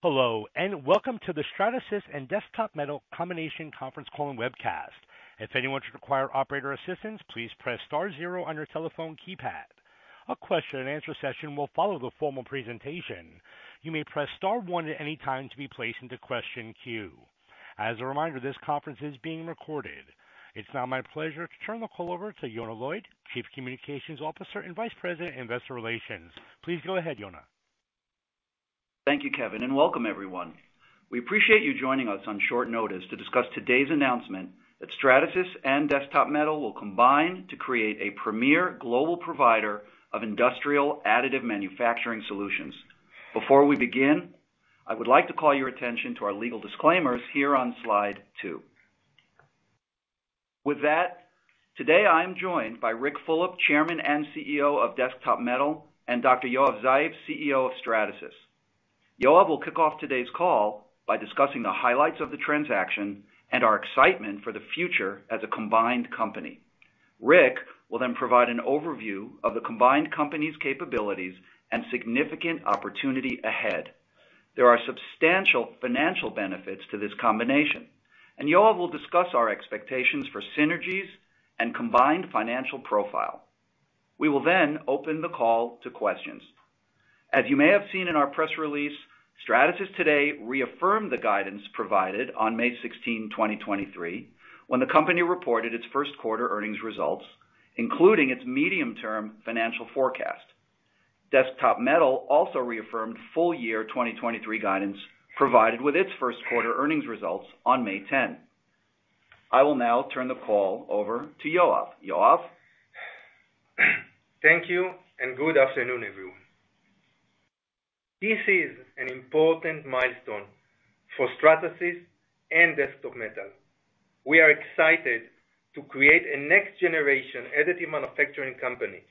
Hello, welcome to the Stratasys and Desktop Metal Combination Conference Call and Webcast. If anyone should require operator assistance, please press star zero on your telephone keypad. A question-and-answer session will follow the formal presentation. You may press star one at any time to be placed into question queue. As a reminder, this conference is being recorded. It's now my pleasure to turn the call over to Yonah Lloyd, Chief Communications Officer and Vice President, Investor Relations. Please go ahead, Yonah. Thank you, Kevin. Welcome everyone. We appreciate you joining us on short notice to discuss today's announcement that Stratasys and Desktop Metal will combine to create a premier global provider of industrial additive manufacturing solutions. Before we begin, I would like to call your attention to our legal disclaimers here on slide two. With that, today I am joined by Ric Fulop, Chairman and CEO of Desktop Metal, and Dr. Yoav Zeif, CEO of Stratasys. Yoav will kick off today's call by discussing the highlights of the transaction and our excitement for the future as a combined company. Ric will provide an overview of the combined company's capabilities and significant opportunity ahead. There are substantial financial benefits to this combination. Yoav will discuss our expectations for synergies and combined financial profile. We will open the call to questions. As you may have seen in our press release, Stratasys today reaffirmed the guidance provided on 16 May 2023, when the company reported its first quarter earnings results, including its medium-term financial forecast. Desktop Metal also reaffirmed full year 2023 guidance provided with its first quarter earnings results on 10 May 2023. I will now turn the call over to Yoav. Yoav? Thank you, and good afternoon, everyone. This is an important milestone for Stratasys and Desktop Metal. We are excited to create a next generation additive manufacturing company,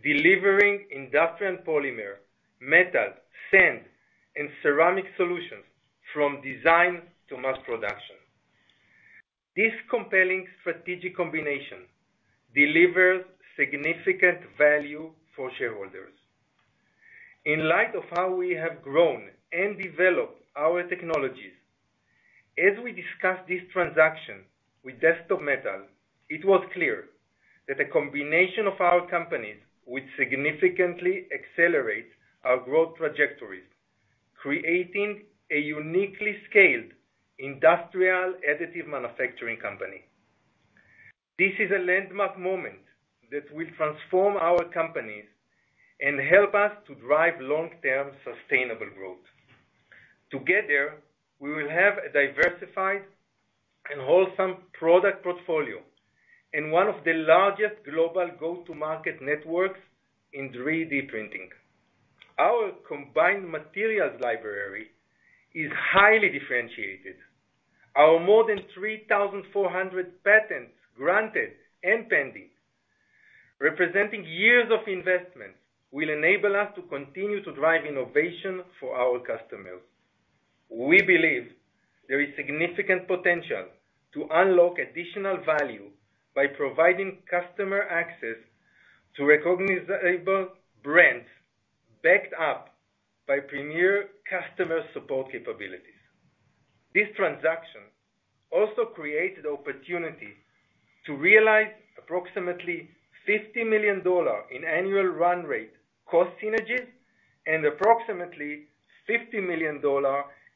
delivering industrial polymer, metal, sand, and ceramic solutions from design to mass production. This compelling strategic combination delivers significant value for shareholders. In light of how we have grown and developed our technologies, as we discussed this transaction with Desktop Metal, it was clear that the combination of our companies would significantly accelerate our growth trajectories, creating a uniquely scaled industrial additive manufacturing company. This is a landmark moment that will transform our companies and help us to drive long-term sustainable growth. Together, we will have a diversified and wholesome product portfolio, and one of the largest global go-to-market networks in 3D printing. Our combined materials library is highly differentiated. Our more than 3,400 patents, granted and pending, representing years of investment, will enable us to continue to drive innovation for our customers. We believe there is significant potential to unlock additional value by providing customer access to recognizable brands, backed up by premier customer support capabilities. This transaction also creates the opportunity to realize approximately $50 million in annual run rate cost synergies, and approximately $50 million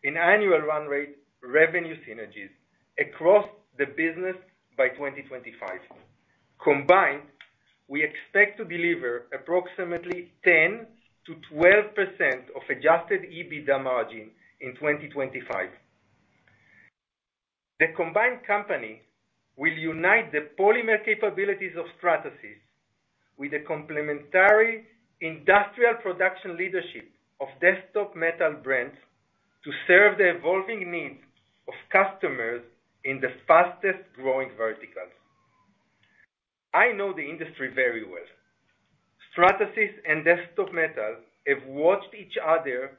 in annual run rate revenue synergies across the business by 2025. Combined, we expect to deliver approximately 10% to 12% of Adjusted EBITDA margin in 2025. The combined company will unite the polymer capabilities of Stratasys with the complementary industrial production leadership of Desktop Metal brands, to serve the evolving needs of customers in the fastest growing verticals. I know the industry very well. Stratasys and Desktop Metal have watched each other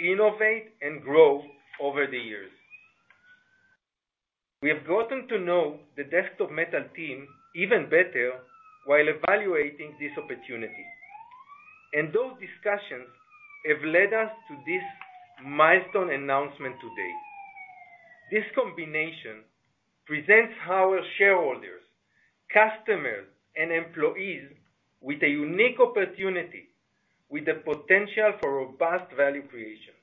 innovate and grow over the years. We have gotten to know the Desktop Metal team even better while evaluating this opportunity, and those discussions have led us to this milestone announcement today. This combination presents our shareholders, customers, and employees with a unique opportunity, with the potential for robust value creation.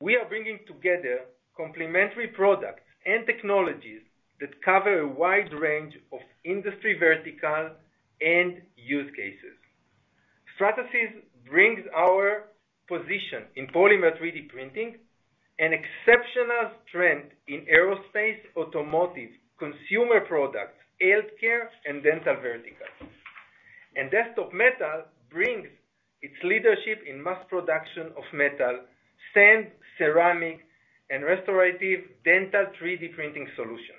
We are bringing together complementary products and technologies that cover a wide range of industry verticals and use cases. Stratasys brings our position in polymer 3D printing, an exceptional strength in aerospace, automotive, consumer products, healthcare, and dental verticals. Desktop Metal brings its leadership in mass production of metal, sand, ceramic, and restorative dental 3D printing solution.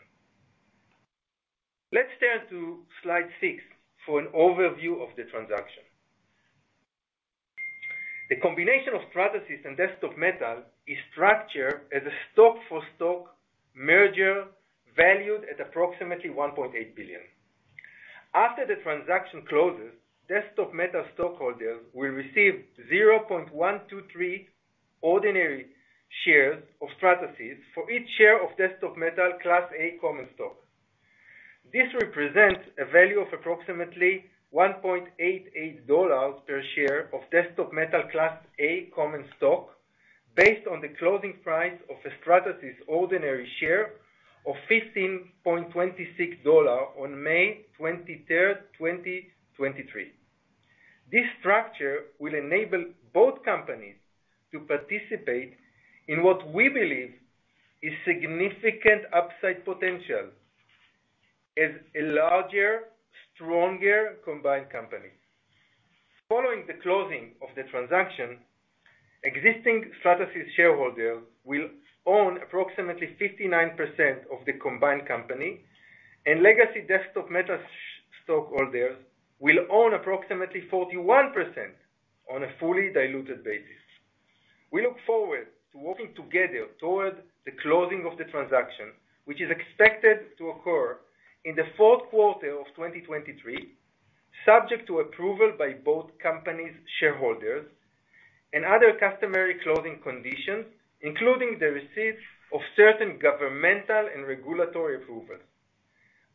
Let's turn to slide six for an overview of the transaction. The combination of Stratasys and Desktop Metal is structured as a stock for stock merger, valued at approximately $1.8 billion. After the transaction closes, Desktop Metal stockholders will receive 0.123 ordinary shares of Stratasys for each share of Desktop Metal Class A common stock. This represents a value of approximately $1.88 per share of Desktop Metal Class A common stock, based on the closing price of a Stratasys ordinary share of $15.26 on 23 May 2023. This structure will enable both companies to participate in what we believe is significant upside potential as a larger, stronger, combined company. Following the closing of the transaction, existing Stratasys shareholders will own approximately 59% of the combined company, and legacy Desktop Metal stockholders will own approximately 41% on a fully diluted basis. We look forward to working together toward the closing of the transaction, which is expected to occur in the fourth quarter of 2023, subject to approval by both companies' shareholders and other customary closing conditions, including the receipt of certain governmental and regulatory approvals.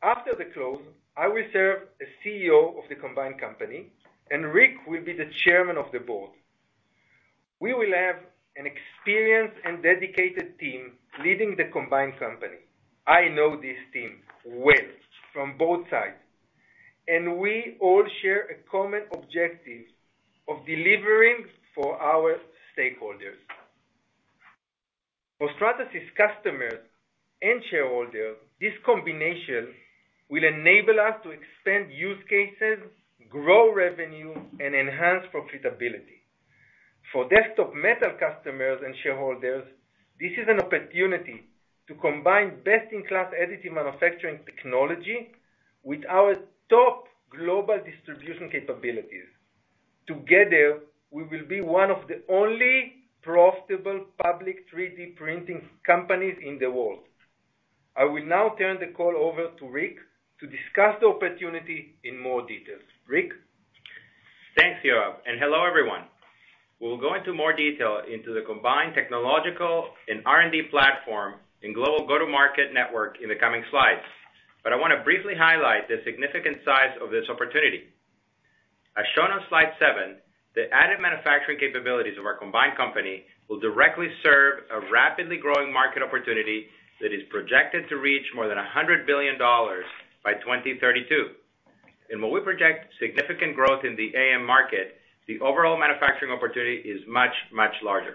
After the close, I will serve as CEO of the combined company, and Ric will be the chairman of the board. We will have an experienced and dedicated team leading the combined company. I know this team well from both sides, and we all share a common objective of delivering for our stakeholders. For Stratasys customers and shareholders, this combination will enable us to expand use cases, grow revenue, and enhance profitability. For Desktop Metal customers and shareholders, this is an opportunity to combine best-in-class additive manufacturing technology with our top global distribution capabilities. Together, we will be one of the only profitable public 3D printing companies in the world. I will now turn the call over to Ric to discuss the opportunity in more details. Ric? Thanks, Yoav, and hello, everyone. We'll go into more detail into the combined technological and R&D platform and global go-to-market network in the coming slides, but I want to briefly highlight the significant size of this opportunity. As shown on slide seven, the added manufacturing capabilities of our combined company will directly serve a rapidly growing market opportunity that is projected to reach more than $100 billion by 2032. While we project significant growth in the AM market, the overall manufacturing opportunity is much, much larger.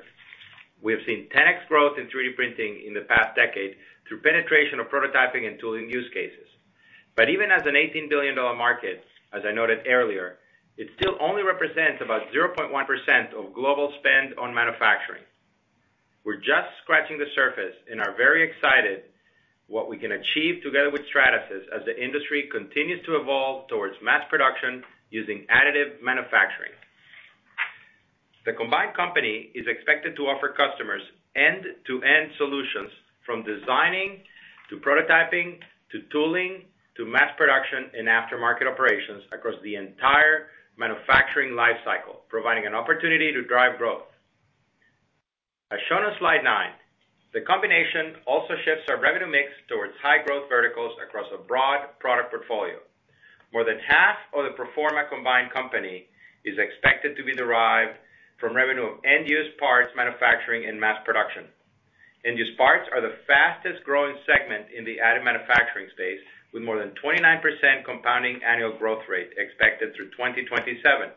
We have seen 10x growth in 3D printing in the past decade through penetration of prototyping and tooling use cases. Even as an $18 billion market, as I noted earlier, it still only represents about 0.1% of global spend on manufacturing. We're just scratching the surface and are very excited what we can achieve together with Stratasys as the industry continues to evolve towards mass production using additive manufacturing. The combined company is expected to offer customers end-to-end solutions, from designing, to prototyping, to tooling, to mass production and aftermarket operations across the entire manufacturing life cycle, providing an opportunity to drive growth. As shown on slide nine, the combination also shifts our revenue mix towards high growth verticals across a broad product portfolio. More than half of the pro forma combined company is expected to be derived from revenue of end-use parts, manufacturing and mass production. End-use parts are the fastest growing segment in the additive manufacturing space, with more than 29% compounding annual growth rate expected through 2027.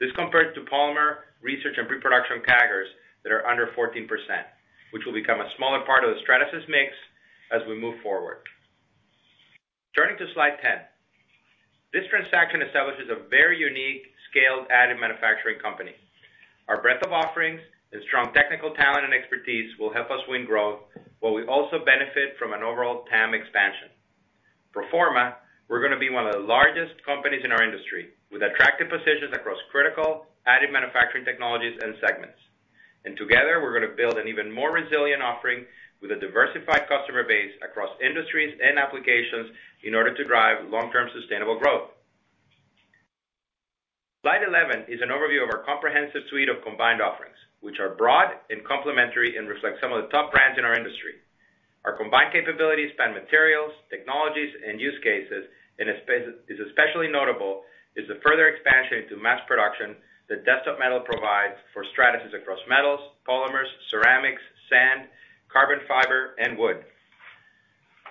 This compares to polymer research and pre-production CAGRs that are under 14%, which will become a smaller part of the Stratasys mix as we move forward. Turning to slide 10. This transaction establishes a very unique, scaled additive manufacturing company. Our breadth of offerings and strong technical talent and expertise will help us win growth, while we also benefit from an overall TAM expansion. Pro forma, we're gonna be one of the largest companies in our industry, with attractive positions across critical additive manufacturing technologies and segments. Together, we're gonna build an even more resilient offering with a diversified customer base across industries and applications in order to drive long-term sustainable growth. Slide 11 is an overview of our comprehensive suite of combined offerings, which are broad and complementary, and reflect some of the top brands in our industry. Our combined capabilities span materials, technologies, and use cases, and is especially notable, is the further expansion into mass production that Desktop Metal provides for Stratasys across metals, polymers, ceramics, sand, carbon fiber, and wood.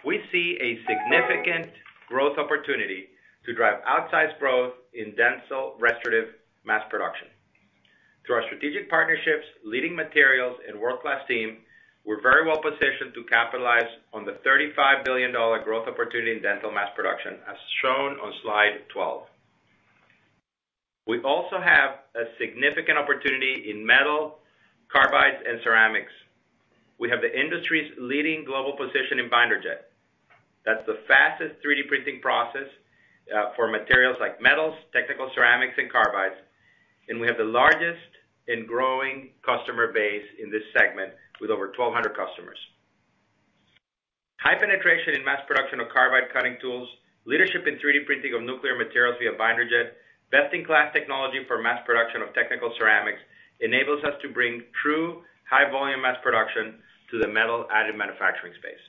We see a significant growth opportunity to drive outsized growth in dental restorative mass production. Through our strategic partnerships, leading materials, and world-class team, we're very well positioned to capitalize on the $35 billion growth opportunity in dental mass production, as shown on slide 12. We also have a significant opportunity in metal, carbides, and ceramics. We have the industry's leading global position in binder jet. That's the fastest 3D printing process for materials like metals, technical ceramics, and carbides, and we have the largest and growing customer base in this segment with over 1,200 customers. High penetration in mass production of carbide cutting tools, leadership in 3D printing of nuclear materials via binder jet, best-in-class technology for mass production of technical ceramics, enables us to bring true high volume mass production to the metal added manufacturing space.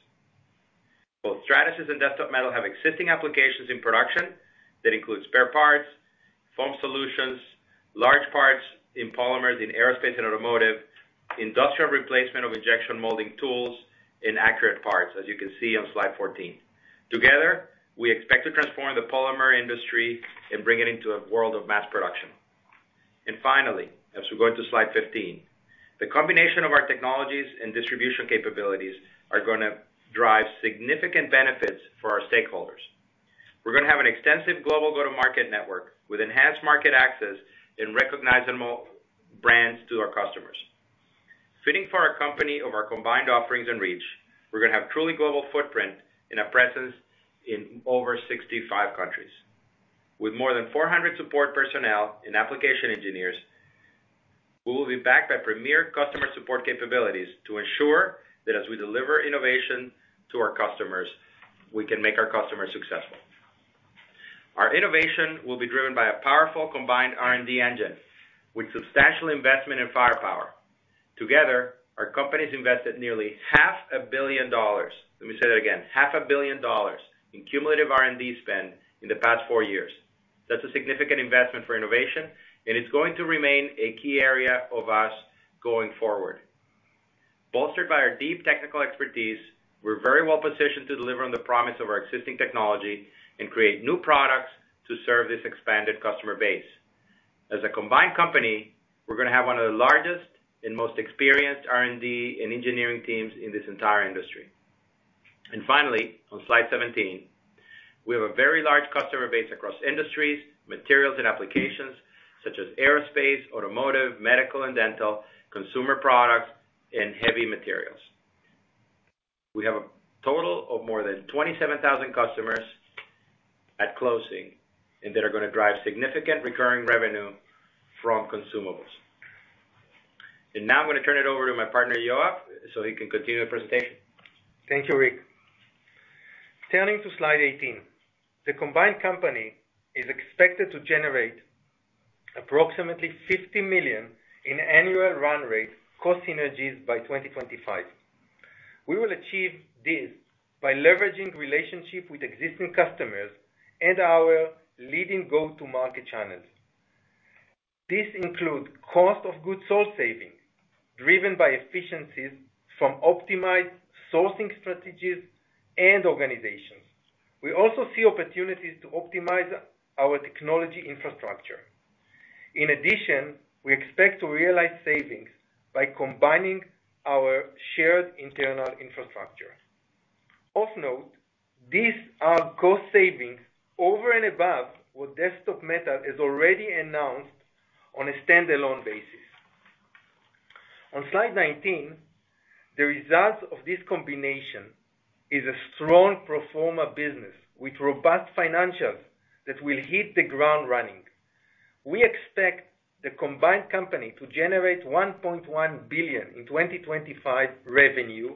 Both Stratasys and Desktop Metal have existing applications in production that include spare parts, foam solutions, large parts in polymers, in aerospace and automotive, industrial replacement of injection molding tools, and accurate parts, as you can see on slide 14. Together, we expect to transform the polymer industry and bring it into a world of mass production. Finally, as we go into slide 15, the combination of our technologies and distribution capabilities are going to drive significant benefits for our stakeholders. We're going to have an extensive global go-to-market network with enhanced market access and recognizable brands to our customers. Fitting for our company of our combined offerings and reach, we're going to have truly global footprint and a presence in over 65 countries. With more than 400 support personnel and application engineers, we will be backed by premier customer support capabilities to ensure that as we deliver innovation to our customers, we can make our customers successful. Our innovation will be driven by a powerful combined R&D engine, with substantial investment and firepower. Together, our companies invested nearly half a billion dollars. Let me say that again. Half a billion dollars in cumulative R&D spend in the past four years. That's a significant investment for innovation, and it's going to remain a key area of us going forward. Bolstered by our deep technical expertise, we're very well positioned to deliver on the promise of our existing technology and create new products to serve this expanded customer base. As a combined company, we're going to have one of the largest and most experienced R&D and engineering teams in this entire industry. Finally, on slide 17, we have a very large customer base across industries, materials, and applications such as aerospace, automotive, medical and dental, consumer products, and heavy materials. We have a total of more than 27,000 customers at closing, and that are going to drive significant recurring revenue from consumables. Now I'm going to turn it over to my partner, Yoav, so he can continue the presentation. Thank you, Rick. Turning to slide 18, the combined company is expected to generate approximately $50 million in annual run rate cost synergies by 2025. We will achieve this by leveraging relationship with existing customers and our leading go-to-market channels. This includes cost of goods source savings, driven by efficiencies from optimized sourcing strategies and organizations. We also see opportunities to optimize our technology infrastructure. We expect to realize savings by combining our shared internal infrastructure. Of note, these are cost savings over and above what Desktop Metal has already announced on a standalone basis. On slide 19, the result of this combination is a strong pro forma business with robust financials that will hit the ground running. We expect the combined company to generate $1.1 billion in 2025 revenue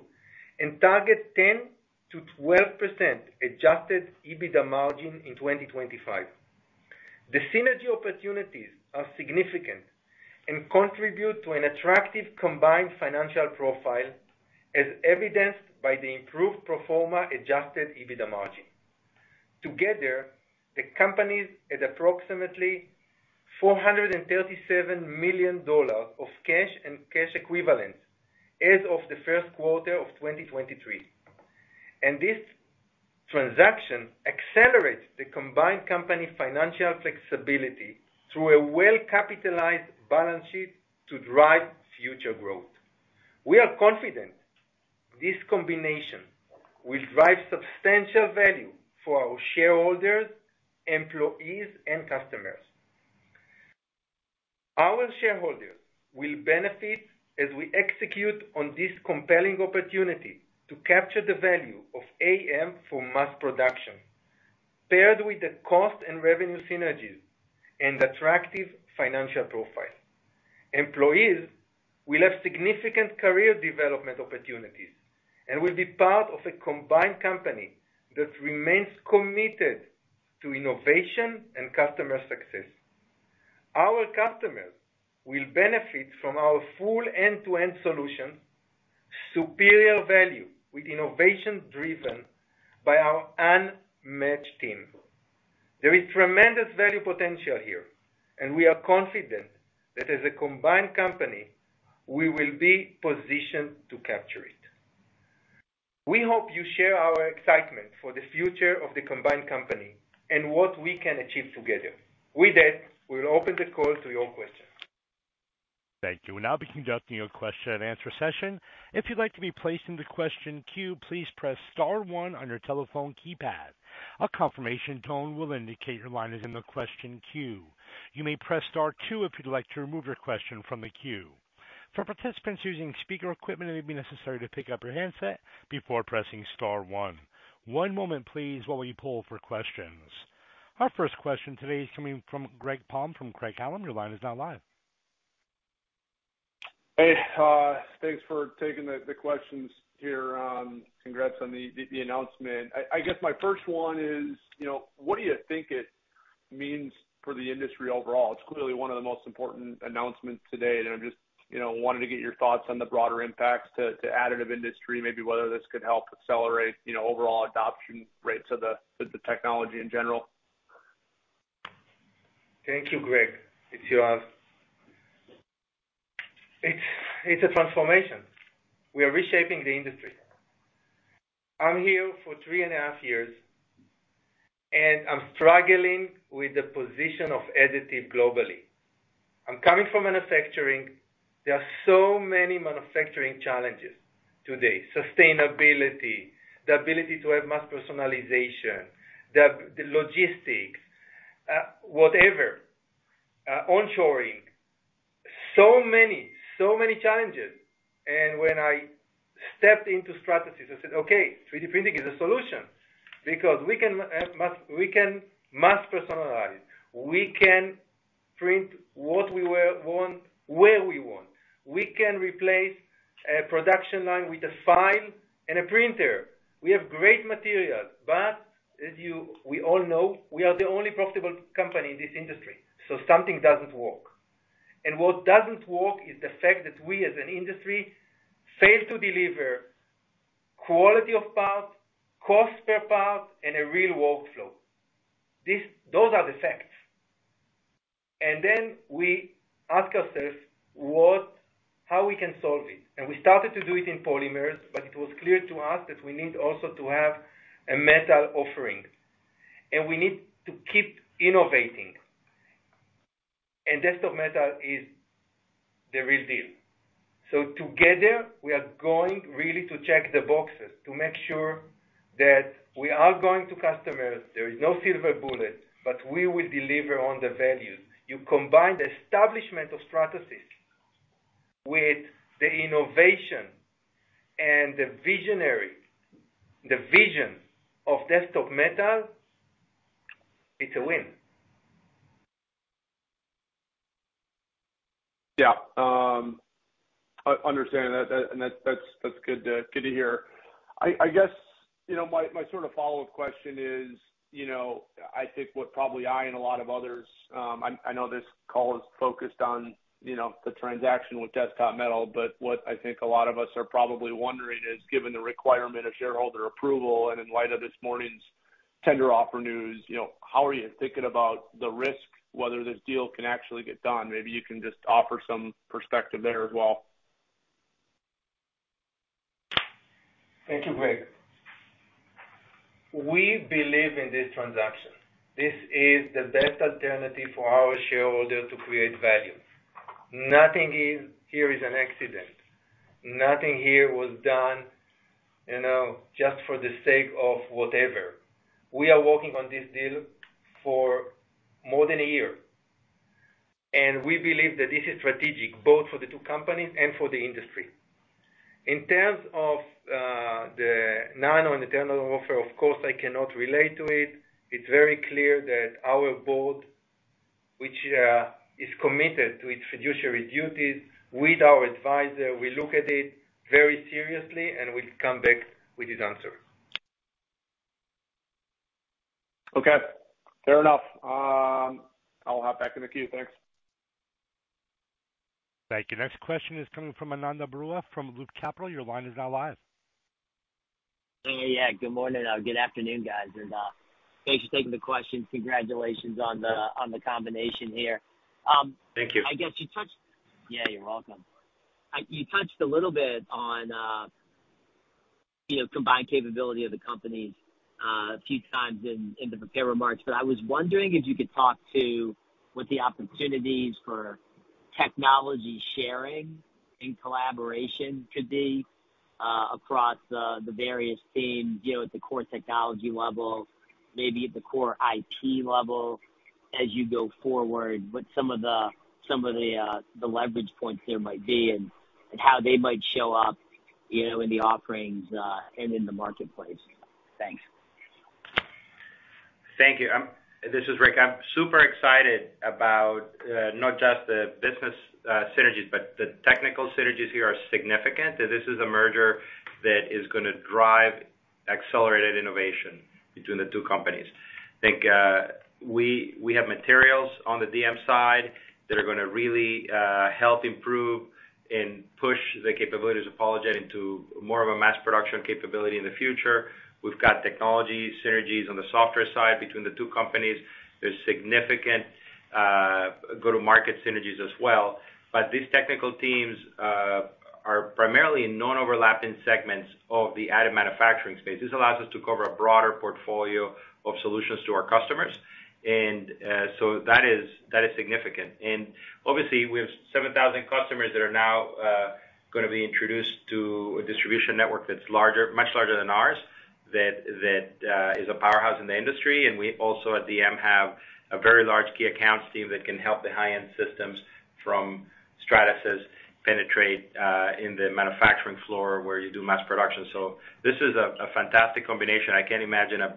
and target 10% to 12% Adjusted EBITDA margin in 2025. The synergy opportunities are significant and contribute to an attractive combined financial profile, as evidenced by the improved pro forma Adjusted EBITDA margin. Together, the companies at approximately $437 million of cash and cash equivalents as of the first quarter of 2023. This transaction accelerates the combined company financial flexibility through a well-capitalized balance sheet to drive future growth. We are confident this combination will drive substantial value for our shareholders, employees, and customers. Our shareholders will benefit as we execute on this compelling opportunity to capture the value of AM for mass production, paired with the cost and revenue synergies and attractive financial profile. Employees will have significant career development opportunities and will be part of a combined company that remains committed to innovation and customer success. Our customers will benefit from our full end-to-end solution, superior value with innovation driven by our unmatched team. There is tremendous value potential here, and we are confident that as a combined company, we will be positioned to capture it. We hope you share our excitement for the future of the combined company and what we can achieve together. With that, we'll open the call to your questions. Thank you. We'll now be conducting your question-and-answer session. If you'd like to be placed into question queue, please press star one on your telephone keypad. A confirmation tone will indicate your line is in the question queue. You may press star two if you'd like to remove your question from the queue. For participants using speaker equipment, it may be necessary to pick up your handset before pressing star one. One moment please, while we pull for questions. Our first question today is coming from Greg Palm from Craig-Hallum. Your line is now live. Hey, thanks for taking the questions here. Congrats on the announcement. I guess my first one is, you know, what do you think it means for the industry overall? It's clearly one of the most important announcements today, and I'm just, you know, wanted to get your thoughts on the broader impacts to additive industry, maybe whether this could help accelerate, you know, overall adoption rates with the technology in general. Thank you, Greg. It's Yoav. It's a transformation. We are reshaping the industry. I'm here for 3.5 years, and I'm struggling with the position of additive globally. I'm coming from manufacturing. There are so many manufacturing challenges today: sustainability, the ability to have mass personalization, the logistics, whatever, onshoring. So many, so many challenges. When I stepped into Stratasys, I said: Okay, 3D printing is a solution because we can mass personalize. We can print what we want, where we want. We can replace a production line with a file and a printer. We have great materials, but as you, we all know, we are the only profitable company in this industry, something doesn't work. What doesn't work is the fact that we, as an industry, fail to deliver quality of parts, cost per part, and a real workflow. Those are the facts. Then we ask ourselves, how we can solve it? We started to do it in polymers, but it was clear to us that we need also to have a metal offering, and we need to keep innovating. Desktop Metal is the real deal. Together, we are going really to check the boxes to make sure that we are going to customers, there is no silver bullet, but we will deliver on the value. You combine the establishment of Stratasys with the innovation and the visionary vision of Desktop Metal, it's a win. Yeah. I understand that, and that's good to hear. I guess, you know, my sort of follow-up question is, you know, I think what probably I and a lot of others, I know this call is focused on, you know, the transaction with Desktop Metal, what I think a lot of us are probably wondering is, given the requirement of shareholder approval and in light of this morning's tender offer news, you know, how are you thinking about the risk, whether this deal can actually get done? Maybe you can just offer some perspective there as well. Thank you, Greg. We believe in this transaction. This is the best alternative for our shareholder to create value. Nothing here is an accident. Nothing here was done, you know, just for the sake of whatever. We are working on this deal for more than a year, and we believe that this is strategic both for the two companies and for the industry. In terms of the Nano and the Nano offer, of course, I cannot relate to it. It's very clear that our board, which is committed to its fiduciary duties with our advisor, we look at it very seriously, and we'll come back with his answer. Okay, fair enough. I'll hop back in the queue. Thanks. Thank you. Next question is coming from Ananda Baruah, from Loop Capital. Your line is now live. Hey, yeah, good morning. Good afternoon, guys, thanks for taking the questions. Congratulations on... Mm-hmm. On the combination here. Thank you. I guess you touched... yeah, you're welcome. You touched a little bit on, you know, combined capability of the companies, a few times in the prepared remarks. I was wondering if you could talk to what the opportunities for technology sharing and collaboration could be across the various teams, you know, at the core technology level, maybe at the core IT level as you go forward, what some of the leverage points there might be and how they might show up, you know, in the offerings and in the marketplace. Thanks. Thank you. This is Ric. I'm super excited about, not just the business, synergies, but the technical synergies here are significant. This is a merger that is gonna drive accelerated innovation between the two companies. I think, we have materials on the DM side that are gonna really help improve and push the capabilities of PolyJet into more of a mass production capability in the future. We've got technology synergies on the software side between the two companies. There's significant go-to-market synergies as well. These technical teams are primarily in non-overlapping segments of the additive manufacturing space. This allows us to cover a broader portfolio of solutions to our customers, and so that is, that is significant. Obviously, we have 7,000 customers that are now gonna be introduced to a distribution network that's much larger than ours, that is a powerhouse in the industry. We also, at DM, have a very large key accounts team that can help the high-end systems from Stratasys penetrate in the manufacturing floor, where you do mass production. This is a fantastic combination. I can't imagine a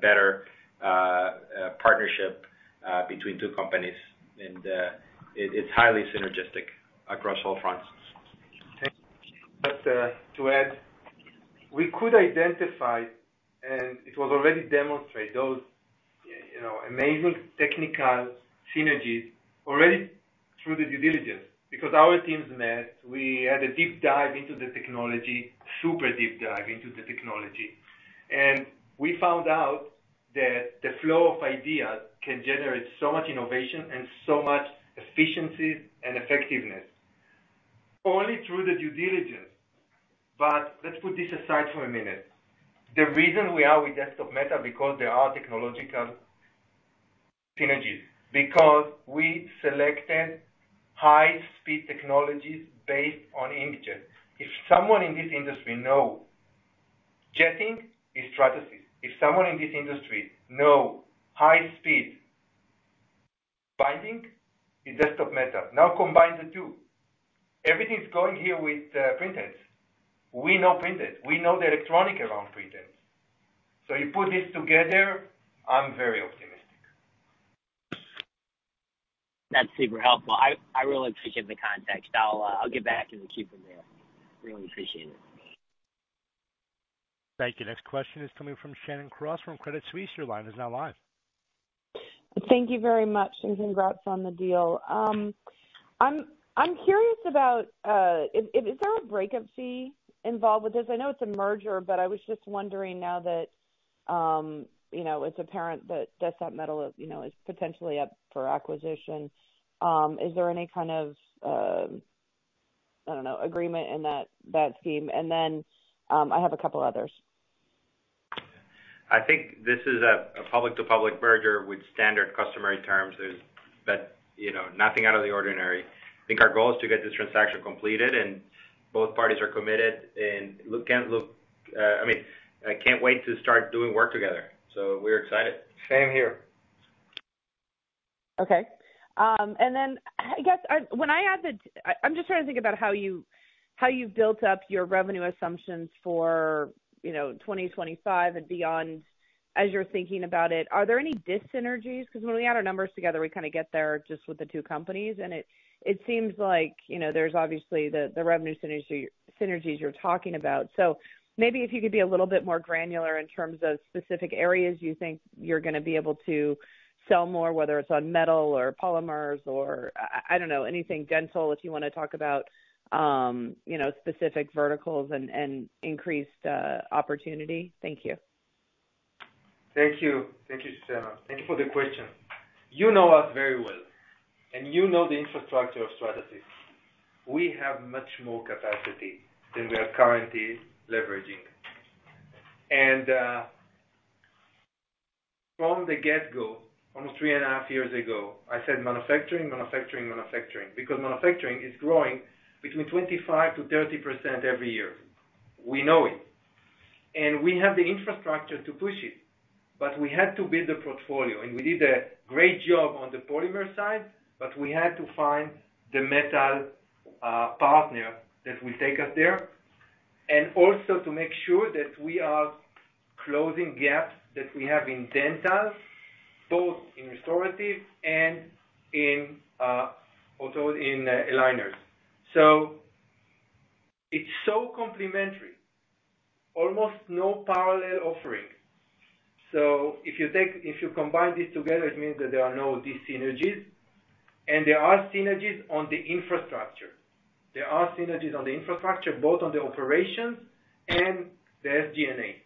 better partnership between two companies, it's highly synergistic across all fronts. To add, we could identify, and it was already demonstrated, those, you know, amazing technical synergies already through the due diligence, because our teams met, we had a deep dive into the technology, super deep dive into the technology, and we found out that the flow of ideas can generate so much innovation and so much efficiency and effectiveness. Only through the due diligence. Let's put this aside for a minute. The reason we are with Desktop Metal, because there are technological synergies, because we selected high-speed technologies based on images. If someone in this industry know jetting, is Stratasys. If someone in this industry know high speed binding, is Desktop Metal. Combine the two. Everything is going here with printers. We know printers, we know the electronic around printers. You put this together, I'm very optimistic. That's super helpful. I really appreciate the context. I'll get back to the chief there. Really appreciate it. Thank you. Next question is coming from Shannon Cross from Credit Suisse. Your line is now live. Thank you very much, and congrats on the deal. I'm curious about, is there a breakup fee involved with this? I know it's a merger, but I was just wondering now that, you know, it's apparent that Desktop Metal is, you know, is potentially up for acquisition, is there any kind of, I don't know, agreement in that scheme? Then, I have a couple others. I think this is a public-to-public merger with standard customary terms. You know, nothing out of the ordinary. I think our goal is to get this transaction completed, and both parties are committed and look, I mean, I can't wait to start doing work together. We're excited. Same here. Okay. I guess, when I add the... I'm just trying to think about how you, how you've built up your revenue assumptions for, you know, 2025 and beyond. As you're thinking about it, are there any dyssynergies? When we add our numbers together, we kind of get there just with the two companies, and it seems like, you know, there's obviously the revenue synergy, synergies you're talking about. Maybe if you could be a little bit more granular in terms of specific areas you think you're gonna be able to sell more, whether it's on metal or polymers or, I don't know, anything dental, if you want to talk about, you know, specific verticals and increased opportunity. Thank you. Thank you. Thank you, Shannon. Thank you for the question. You know us very well, and you know the infrastructure of Stratasys. We have much more capacity than we are currently leveraging. From the get-go, almost three and a half years ago, I said, "Manufacturing, manufacturing." Manufacturing is growing between 25% to 30% every year. We know it. We have the infrastructure to push it, but we had to build a portfolio, and we did a great job on the polymer side, but we had to find the metal partner that will take us there. Also to make sure that we are closing gaps that we have in dental, both in restorative and in also in aligners. It's so complementary, almost no parallel offering. If you combine this together, it means that there are no dyssynergies, and there are synergies on the infrastructure. There are synergies on the infrastructure, both on the operations and the SG&A.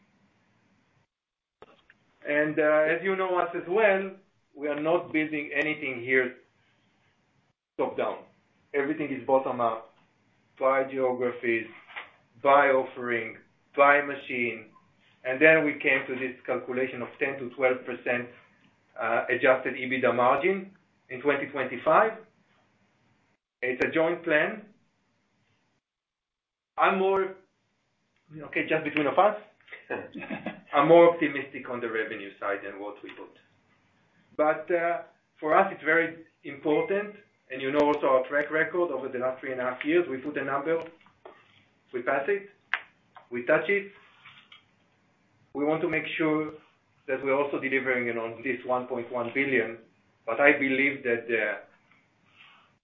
As you know us as well, we are not building anything here, top-down. Everything is bottom-up, by geographies, by offering, by machine, and then we came to this calculation of 10% to 12% Adjusted EBITDA margin in 2025. It's a joint plan. Okay, just between of us. I'm more optimistic on the revenue side than what we put. For us, it's very important, and you know also our track record over the last three and a half years, we put a number, we pass it, we touch it. We want to make sure that we're also delivering it on this $1.1 billion, but I believe that,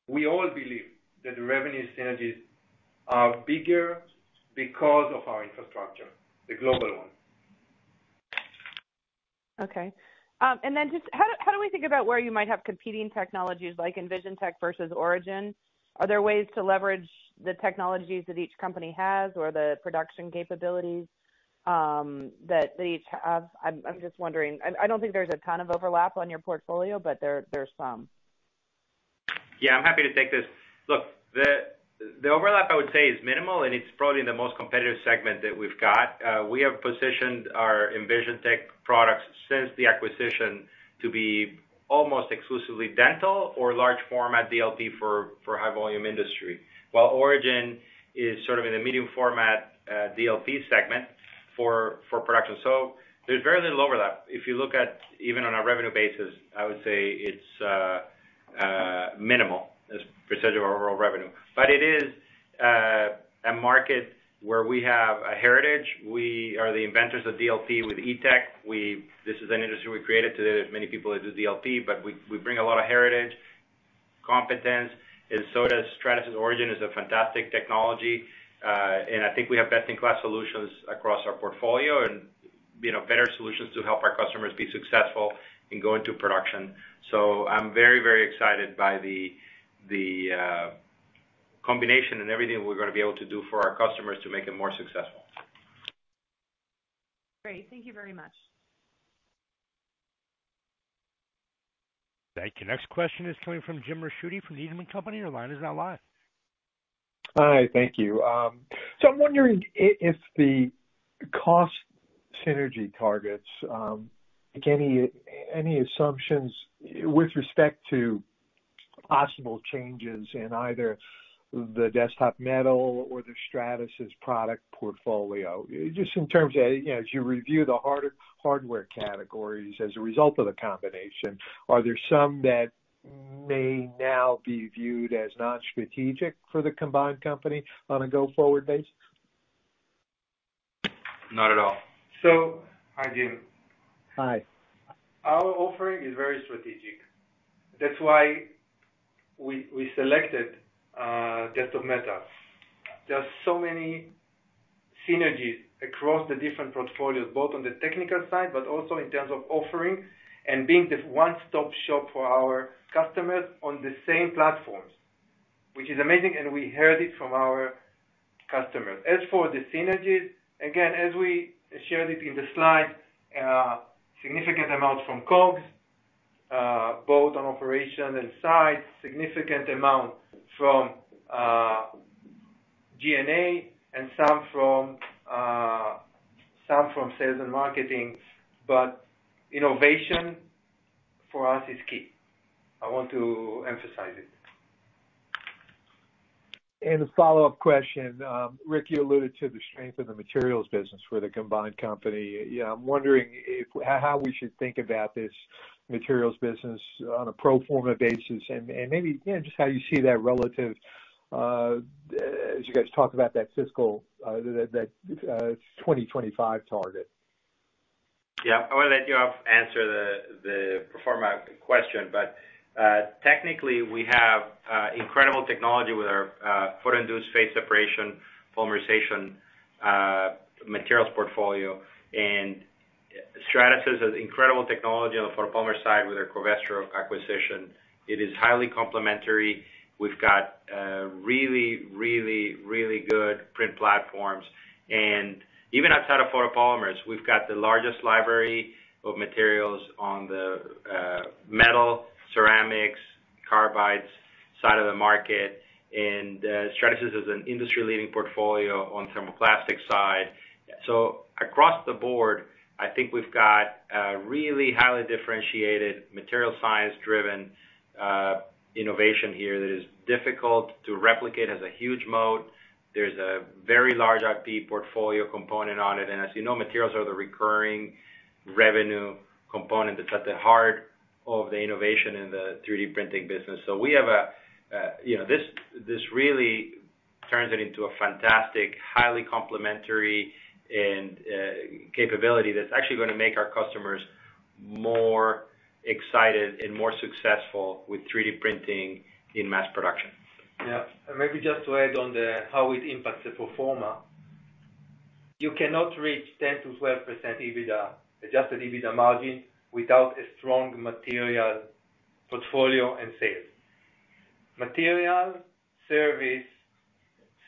we all believe that the revenue synergies are bigger because of our infrastructure, the global one. Okay. Just how do we think about where you might have competing technologies like EnvisionTEC versus Origin? Are there ways to leverage the technologies that each company has or the production capabilities that they each have? I'm just wondering. I don't think there's a ton of overlap on your portfolio, but there are some. Yeah, I'm happy to take this. Look, the overlap, I would say, is minimal. It's probably the most competitive segment that we've got. We have positioned our EnvisionTEC products since the acquisition to be almost exclusively dental or large format DLP for high volume industry, while Origin is sort of in the medium format DLP segment for production. There's very little overlap. If you look at, even on a revenue basis, I would say it's minimal as percent of our overall revenue. It is a market where we have a heritage. We are the inventors of DLP with Etec. This is an industry we created today, many people do DLP, but we bring a lot of heritage, competence, and so does Stratasys. Origin is a fantastic technology. I think we have best-in-class solutions across our portfolio and, you know, better solutions to help our customers be successful in going to production. I'm very, very excited by the combination and everything we're gonna be able to do for our customers to make it more successful. Great. Thank you very much. Thank you. Next question is coming from Jim Ricchiuti from Needham & Company. Your line is now live. Hi, thank you. I'm wondering if the cost synergy targets, any assumptions with respect to possible changes in either the Desktop Metal or the Stratasys product portfolio, just in terms of, you know, as you review the hardware categories as a result of the combination, are there some that may now be viewed as not strategic for the combined company on a go-forward basis? Not at all. Hi, Jim. Hi. Our offering is very strategic. That's why we selected Desktop Metal. There are so many synergies across the different portfolios, both on the technical side, but also in terms of offerings and being the one-stop shop for our customers on the same platforms, which is amazing, and we heard it from our customers. As for the synergies, again, as we shared it in the slide, significant amounts from COGS, both on operation and size, significant amount from G&A, and some from sales and marketing. Innovation, for us, is key. I want to emphasize it. A follow-up question. Ric, you alluded to the strength of the materials business for the combined company. I'm wondering how we should think about this materials business on a pro forma basis, and maybe just how you see that relative as you guys talk about that fiscal that 2025 target. Yeah. I'm gonna let Yoav answer the pro forma question, but technically, we have incredible technology with our photopolymerization-induced phase separation, polymerization materials portfolio, and Stratasys has incredible technology on the photopolymer side with our Covestro acquisition. It is highly complementary. We've got a really, really, really good print platforms. Even outside of photopolymers, we've got the largest library of materials on the metal, ceramics, carbides side of the market, and Stratasys is an industry-leading portfolio on thermoplastic side. Across the board, I think we've got a really highly differentiated material, science-driven innovation here that is difficult to replicate, has a huge moat. There's a very large IP portfolio component on it, and as you know, materials are the recurring revenue component that's at the heart of the innovation in the 3D printing business. We have a, you know, this really turns it into a fantastic, highly complementary and capability that's actually gonna make our customers more excited and more successful with 3D printing in mass production. Yeah. Maybe just to add on the, how it impacts the pro forma. You cannot reach 10% to 12% EBITDA, Adjusted EBITDA margin without a strong material portfolio and sales. Material, service,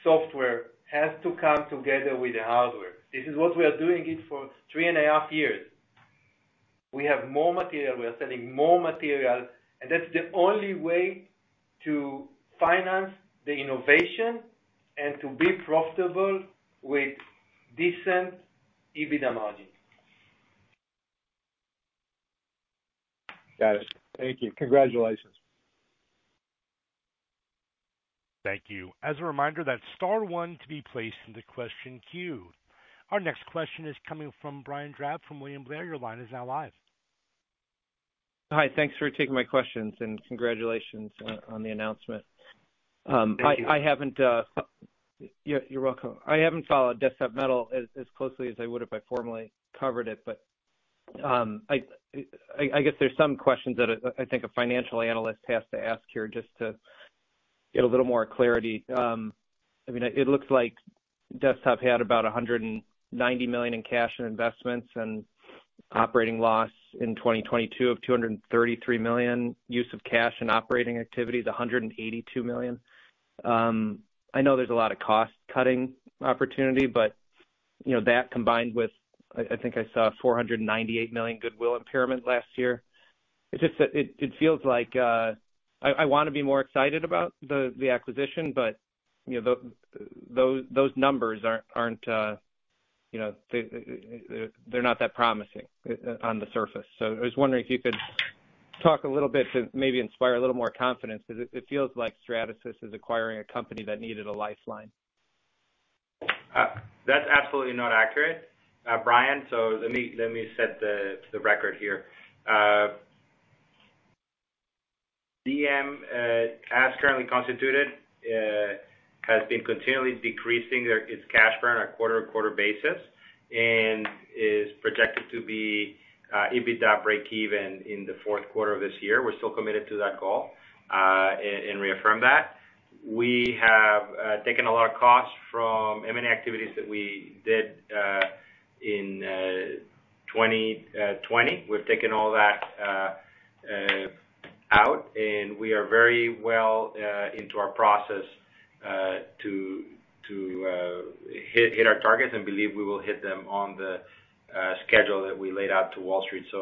software has to come together with the hardware. This is what we are doing it for 3.5 years. We have more material, we are selling more material, and that's the only way to finance the innovation and to be profitable with decent EBITDA margin. Got it. Thank you. Congratulations. Thank you. As a reminder, that's star one to be placed in the question queue. Our next question is coming from Brian Drab from William Blair. Your line is now live. Hi, thanks for taking my questions. Congratulations on the announcement. Thank you. I haven't. Yeah, you're welcome. I haven't followed Desktop Metal as closely as I would if I formally covered it, but I guess there's some questions that I think a financial analyst has to ask here just to get a little more clarity. I mean, it looks like Desktop had about $190 million in cash and investments and operating loss in 2022 of $233 million, use of cash and operating activities, $182 million. I know there's a lot of cost-cutting opportunity, but, you know, that combined with, I think I saw $498 million goodwill impairment last year. It's just that it feels like, I wanna be more excited about the acquisition, but, you know, those numbers aren't, you know, they're not that promising on the surface. I was wondering if you could talk a little bit to maybe inspire a little more confidence, because it feels like Stratasys is acquiring a company that needed a lifeline.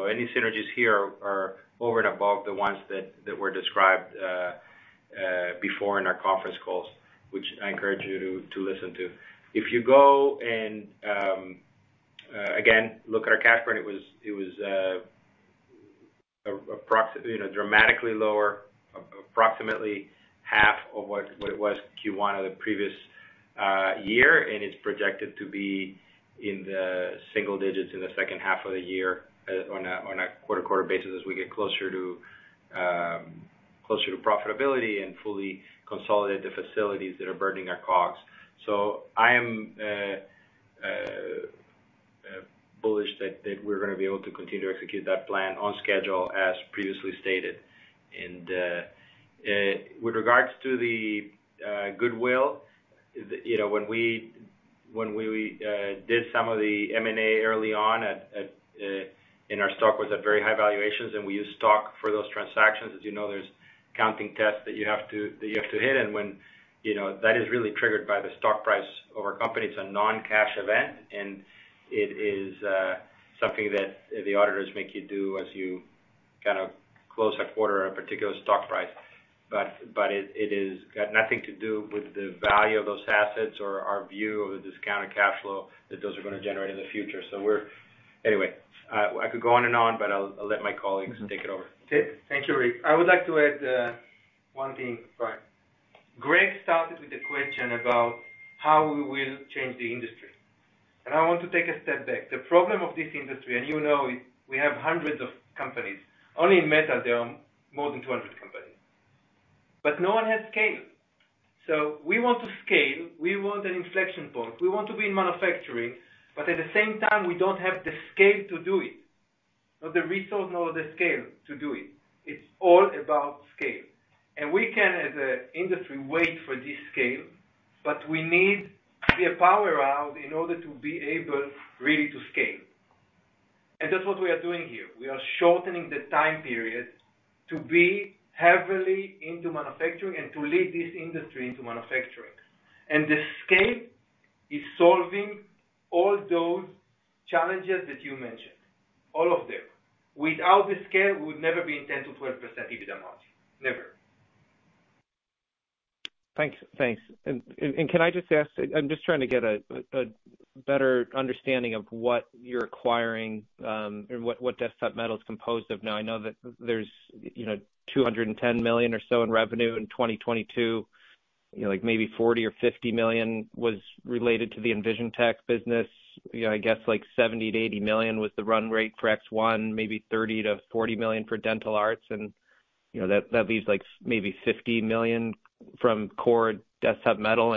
Any synergies here are over and above the ones that were described before in our conference calls, which I encourage you to listen to. If you go and again, look at our cash burn, it was, you know, dramatically lower, approximately half of what it was first quarter of the previous year, and it's projected to be in the single digits in the second half of the year, on a quarter-to-quarter basis, as we get closer to profitability and fully consolidate the facilities that are burdening our costs. I am bullish that we're gonna be able to continue to execute that plan on schedule, as previously stated. With regards to the goodwill, the... you know, when we did some of the M&A early on at, and our stock was at very high valuations, and we used stock for those transactions, as you know, there's counting tests that you have to hit. When, you know, that is really triggered by the stock price of our company, it's a non-cash event, and it is something that the auditors make you do as you kind of close a quarter on a particular stock price. It is got nothing to do with the value of those assets or our view of the discounted cash flow that those are gonna generate in the future. Anyway, I could go on and on, I'll let my colleagues take it over. Okay. Thank you, Ric. I would like to add one thing. Greg started with the question about how we will change the industry, I want to take a step back. The problem of this industry, and you know, we have hundreds of companies. Only in metal, there are more than 200 companies, but no one has scale. We want to scale, we want an inflection point, we want to be in manufacturing, but at the same time, we don't have the scale to do it, not the resource nor the scale to do it. It's all about scale. We can, as a industry, wait for this scale, but we need to be a power out in order to be able really to scale. That's what we are doing here. We are shortening the time period to be heavily into manufacturing and to lead this industry into manufacturing. The scale is solving all those challenges that you mentioned, all of them. Without the scale, we would never be in 10% to 12% EBITDA margin. Never. Thanks. Thanks. Can I just ask, I'm just trying to get a better understanding of what you're acquiring, and what Desktop Metal is composed of. Now, I know that there's, you know, $210 million or so in revenue in 2022, you know, like maybe $40 to 50 million was related to the EnvisionTEC business. You know, I guess like $70 to 80 million was the run rate for ExOne, maybe $30 to 40 million for Dental Arts, and, you know, that leaves, like, maybe $50 million from core Desktop Metal.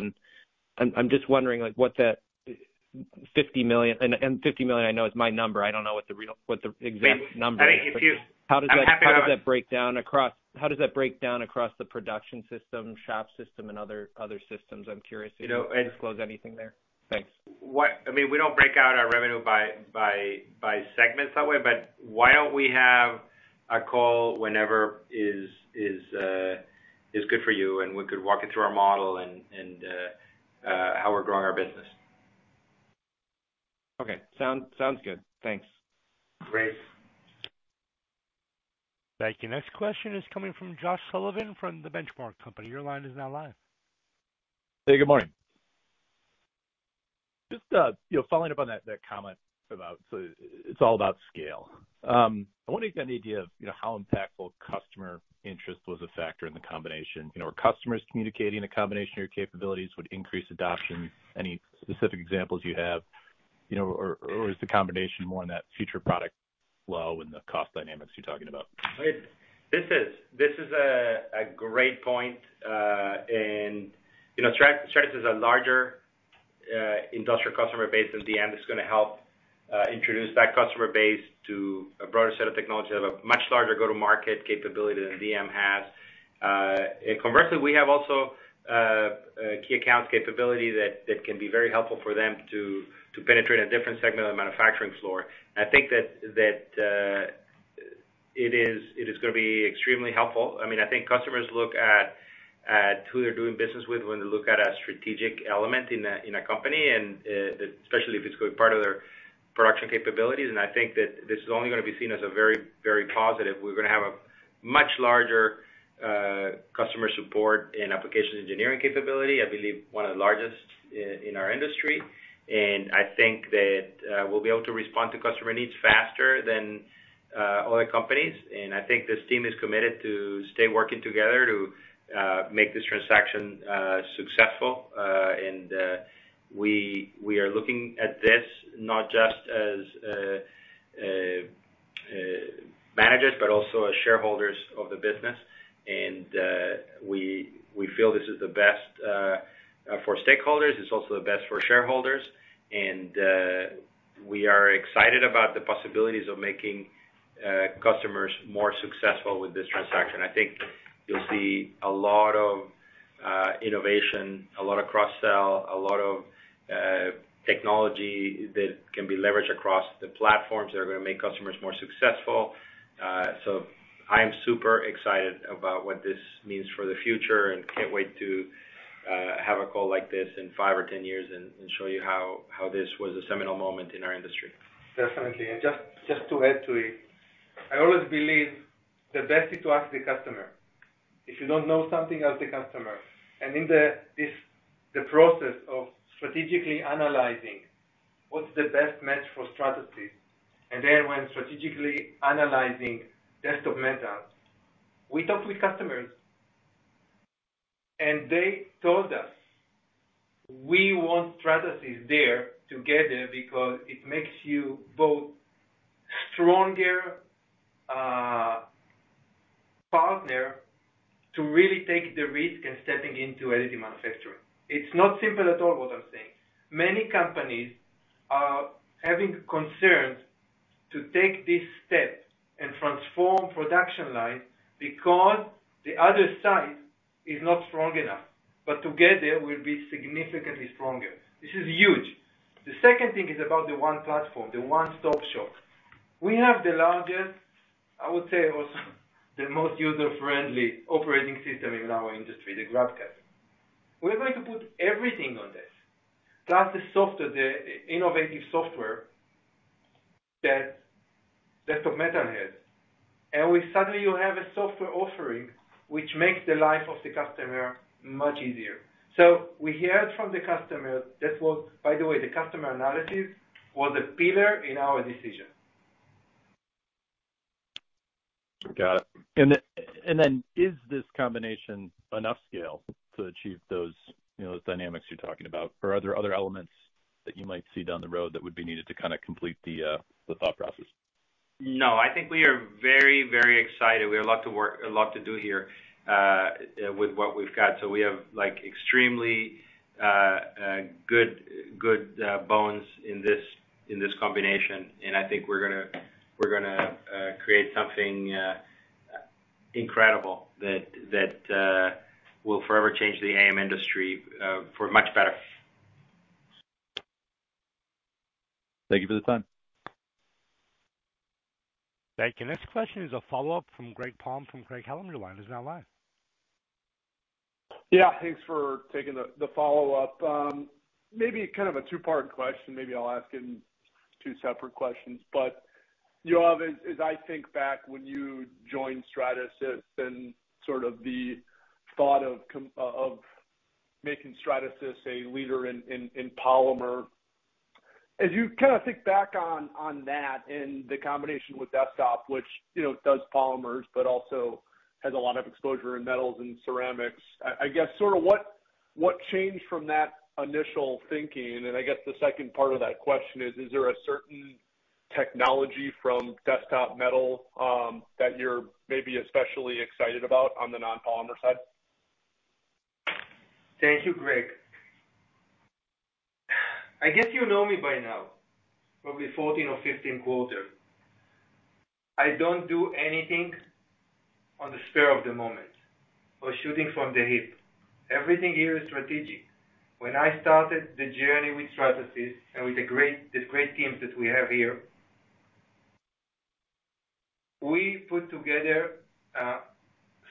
I'm just wondering, like, what that $50 million I know is my number. I don't know what the exact number is... I think... How does that...? I'm happy... How does that break down across the Production System, Shop System, and other systems? I'm curious if you can disclose anything there. Thanks. I mean, we don't break out our revenue by segments that way, but why don't we have a call whenever is good for you, and we could walk you through our model and how we're growing our business. Okay. sounds good. Thanks. Great. Thank you. Next question is coming from Josh Sullivan, from The Benchmark Company. Your line is now live. Hey, good morning. Just, you know, following up on that comment about so it's all about scale. I'm wondering if you got any idea of, you know, how impactful customer interest was a factor in the combination. You know, are customers communicating the combination of your capabilities would increase adoption? Any specific examples you have, you know, or is the combination more on that future product flow and the cost dynamics you're talking about? This is a great point. You know, Stratasys is a larger industrial customer base, and DM is gonna help introduce that customer base to a broader set of technology, have a much larger go-to-market capability than DM has. Conversely, we have also a key accounts capability that can be very helpful for them to penetrate a different segment of the manufacturing floor. I think that it is gonna be extremely helpful. I mean, I think customers look at who they're doing business with when they look at a strategic element in a company, and especially if it's part of their production capabilities. I think that this is only gonna be seen as a very positive. We're gonna have a much larger, customer support and application engineering capability, I believe one of the largest in our industry. I think that, we'll be able to respond to customer needs faster than other companies. I think this team is committed to stay working together to make this transaction successful. We, we are looking at this not just as managers, but also as shareholders of the business. We, we feel this is the best for stakeholders, it's also the best for shareholders, we are excited about the possibilities of making customers more successful with this transaction. I think you'll see a lot of innovation, a lot of cross-sell, a lot of technology that can be leveraged across the platforms that are gonna make customers more successful. I am super excited about what this means for the future and can't wait to have a call like this in five or 10 years and show you how this was a seminal moment in our industry. Definitely. Just to add to it, I always believe the best is to ask the customer. If you don't know something, ask the customer. In the process of strategically analyzing what's the best match for Stratasys, then when strategically analyzing Desktop Metal, we talked with customers and they told us, "We want Stratasys there together because it makes you both stronger, partner to really take the risk and stepping into additive manufacturing." It's not simple at all, what I'm saying. Many companies are having concerns to take this step and transform production lines because the other side is not strong enough, but together we'll be significantly stronger. This is huge. The second thing is about the one platform, the one-stop shop. We have the largest, I would say, also the most user-friendly operating system in our industry, the GrabCAD. We're going to put everything on this, plus the software, the innovative software that Desktop Metal has. suddenly you have a software offering, which makes the life of the customer much easier. We heard from the customer, this was, by the way, the customer analysis, was a pillar in our decision. Got it. Is this combination enough scale to achieve those, you know, those dynamics you're talking about? Are there other elements that you might see down the road that would be needed to kind of complete the thought process? No, I think we are very, very excited. We have a lot to work, a lot to do here, with what we've got. We have, like, extremely good bones in this, in this combination, I think we're gonna create something incredible that will forever change the AM industry for much better. Thank you for the time. Thank you. Next question is a follow-up from Greg Palm from Craig-Hallum Line, is now live. Yeah, thanks for taking the follow-up. Maybe kind of a two-part question, maybe I'll ask in two separate questions. Yoav, as I think back when you joined Stratasys and sort of the thought of making Stratasys a leader in polymer. As you kind of think back on that and the combination with Desktop, which, you know, does polymers, but also has a lot of exposure in metals and ceramics, I guess, sort of what changed from that initial thinking? I guess the second part of that question is there a certain technology from Desktop Metal that you're maybe especially excited about on the non-polymer side? Thank you, Greg. I guess you know me by now, probably 14 or 15 quarters. I don't do anything on the spur of the moment or shooting from the hip. Everything here is strategic. When I started the journey with Stratasys and with the great teams that we have here, we put together a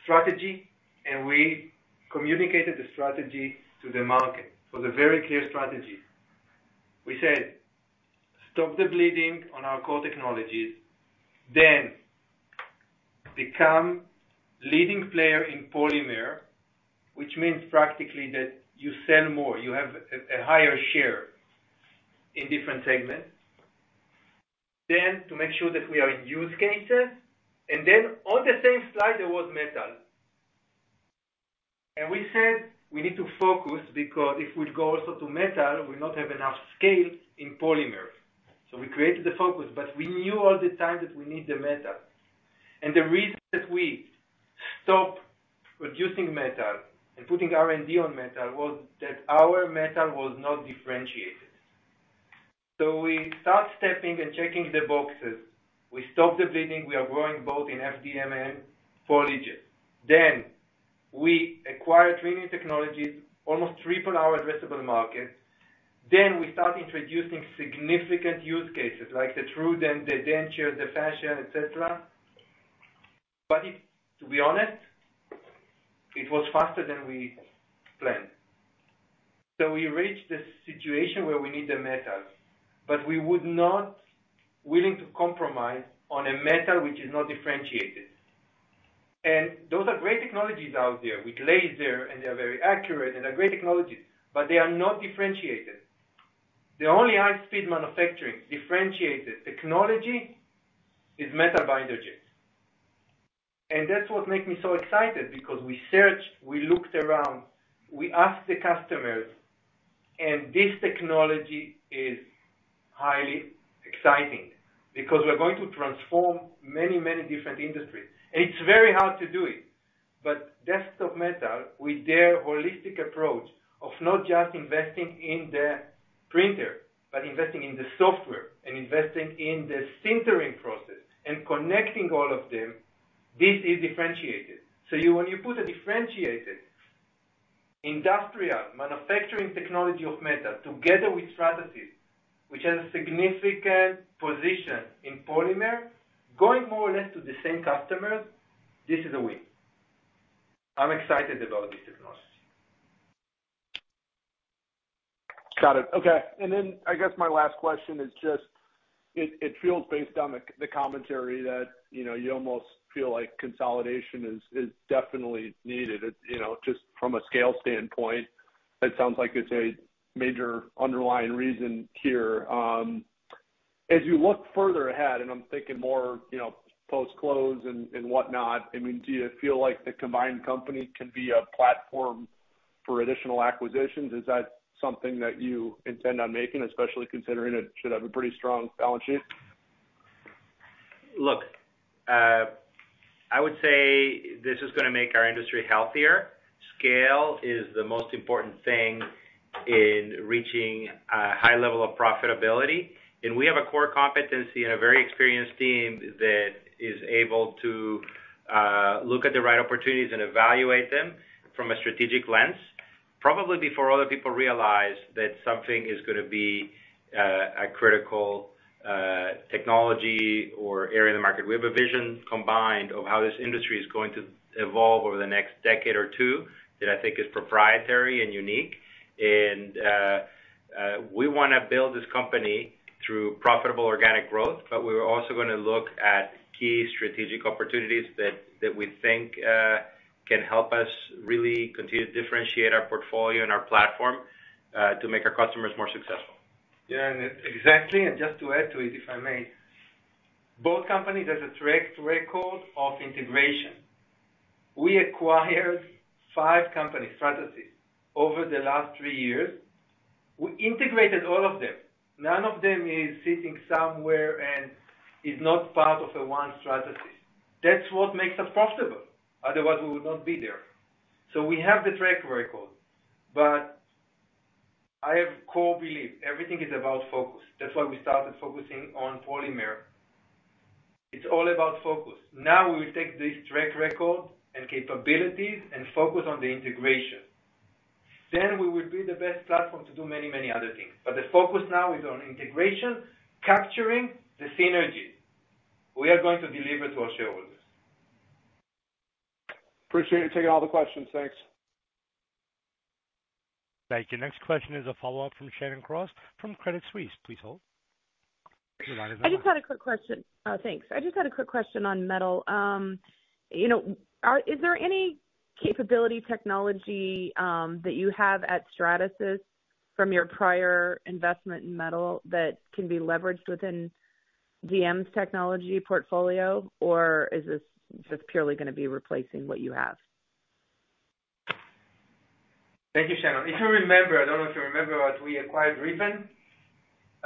strategy, and we communicated the strategy to the market. The very clear strategy. We said, "Stop the bleeding on our core technologies, then become leading player in polymer," which means practically that you sell more, you have a higher share in different segments. To make sure that we are in use cases, on the same slide, there was metal. We said, "We need to focus, because if we go also to metal, we not have enough scale in polymer." We created the focus, but we knew all the time that we need the metal. The reason that we stopped producing metal and putting R&D on metal, was that our metal was not differentiated. We start stepping and checking the boxes. We stop the bleeding, we are growing both in FDM and PolyJet. We acquire three new technologies, almost triple our addressable market. We start introducing significant use cases, like the truth and the dentures, the fashion, et cetera. To be honest, it was faster than we planned. We reached this situation where we need the metals, but we would not willing to compromise on a metal which is not differentiated. Those are great technologies out there with laser, and they're very accurate and are great technologies, but they are not differentiated. The only high-speed manufacturing, differentiated technology, is metal binder jet. That's what makes me so excited, because we searched, we looked around, we asked the customers, and this technology is highly exciting because we're going to transform many, many different industries. It's very hard to do it. Desktop Metal, with their holistic approach of not just investing in the printer, but investing in the software and investing in the sintering process and connecting all of them, this is differentiated. You, when you put a differentiated industrial manufacturing technology of metal together with Stratasys, which has a significant position in polymer, going more or less to the same customers, this is a win. I'm excited about this technology. Got it. Okay. I guess my last question is just, it feels based on the commentary that, you know, you almost feel like consolidation is definitely needed. You know, just from a scale standpoint, it sounds like it's a major underlying reason here. As you look further ahead, and I'm thinking more, you know, post-close and whatnot, I mean, do you feel like the combined company can be a platform for additional acquisitions? Is that something that you intend on making, especially considering it should have a pretty strong balance sheet? Look, I would say this is gonna make our industry healthier. Scale is the most important thing in reaching a high level of profitability. We have a core competency and a very experienced team that is able to look at the right opportunities and evaluate them from a strategic lens, probably before other people realize that something is gonna be a critical technology or area in the market. We have a vision combined of how this industry is going to evolve over the next decade or two, that I think is proprietary and unique. We wanna build this company through profitable organic growth, but we're also gonna look at key strategic opportunities that we think can help us really continue to differentiate our portfolio and our platform to make our customers more successful. Yeah, exactly, just to add to it, if I may. Both companies has a track record of integration. We acquired five companies, Stratasys, over the last three years. We integrated all of them. None of them is sitting somewhere and is not part of the one Stratasys. That's what makes us profitable. Otherwise, we would not be there. We have the track record, but I have core belief, everything is about focus. That's why we started focusing on polymer. It's all about focus. We will take this track record and capabilities and focus on the integration. We will be the best platform to do many, many other things. The focus now is on integration, capturing the synergy we are going to deliver to our shareholders. Appreciate it. Taking all the questions. Thanks. Thank you. Next question is a follow-up from Shannon Cross, from Credit Suisse. Please hold. Your line is open. I just had a quick question. Thanks. I just had a quick question on metal. You know, is there any capability technology that you have at Stratasys from your prior investment in metal that can be leveraged within DM's technology portfolio? Or is this just purely gonna be replacing what you have? Thank you, Shannon. If you remember, I don't know if you remember, but we acquired Riven,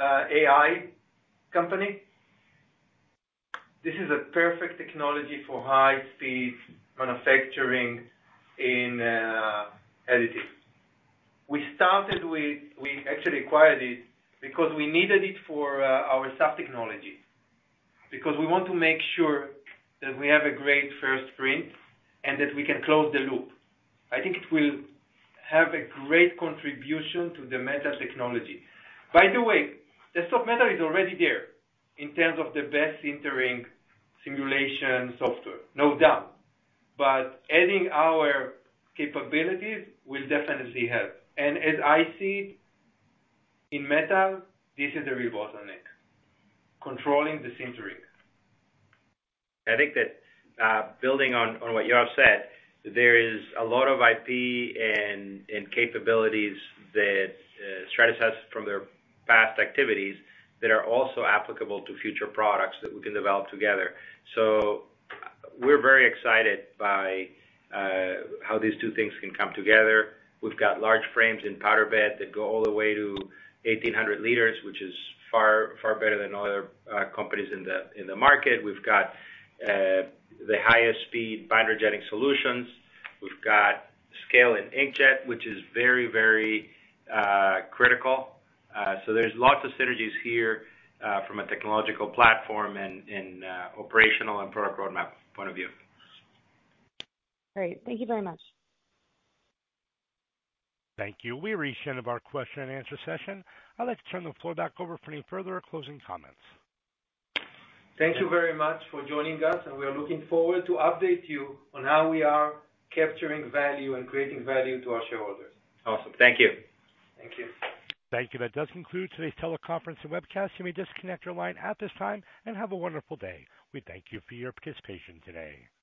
AI company. This is a perfect technology for high-speed manufacturing in additive. We actually acquired it because we needed it for our sub-technology, because we want to make sure that we have a great first print and that we can close the loop. I think it will have a great contribution to the metal technology. Desktop Metal is already there in terms of the best sintering simulation software, no doubt. Adding our capabilities will definitely help. As I see it, in metal, this is the revolution, controlling the sintering. I think that, building on what Yoav said, there is a lot of IP and capabilities that, Stratasys from their past activities, that are also applicable to future products that we can develop together. We're very excited by, how these two things can come together. We've got large frames in powder bed that go all the way to 1,800 liters, which is far, far better than other, companies in the, in the market. We've got, the highest speed binder jetting solutions. We've got scale in inkjet, which is very critical. There's lots of synergies here, from a technological platform and operational and product roadmap point of view. Great. Thank you very much. Thank you. We've reached the end of our question-and-answer session. I'd like to turn the floor back over for any further closing comments. Thank you very much for joining us, and we are looking forward to update you on how we are capturing value and creating value to our shareholders. Awesome. Thank you. Thank you. Thank you. That does conclude today's teleconference and webcast. You may disconnect your line at this time, and have a wonderful day. We thank you for your participation today.